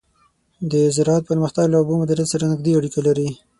د زراعت پرمختګ له اوبو مدیریت سره نږدې اړیکه لري.